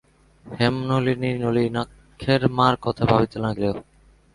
হেমনলিনী নলিনাক্ষের মার কথা ভাবিতে লাগিল।